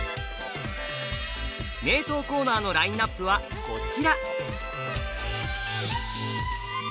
名刀コーナーのラインナップはこちら。